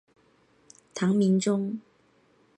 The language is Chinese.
唐明宗